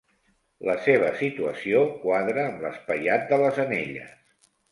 La seva situació quadra amb l'espaiat de les anelles.